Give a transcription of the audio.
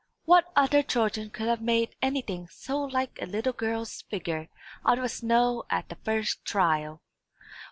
"What other children could have made anything so like a little girl's figure out of snow at the first trial?